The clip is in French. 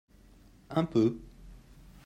un peu.